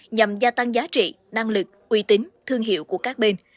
nhằm gia tăng giá trị năng lực uy tín thương hiệu của các bên